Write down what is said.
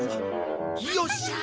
よっしゃー！